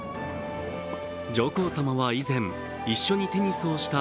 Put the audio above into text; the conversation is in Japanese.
上皇さまは以前、一緒にテニスをした